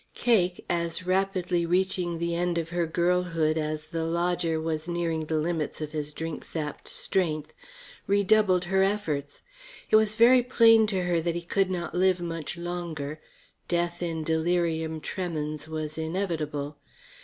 Cake, as rapidly reaching the end of her girlhood as the lodger was nearing the limits of his drink sapped strength, redoubled her efforts. It was very plain to her that he could not live much longer; death in delirium tremens was inevitable.